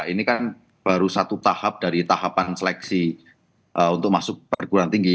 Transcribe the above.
ini kan baru satu tahap dari tahapan seleksi untuk masuk perguruan tinggi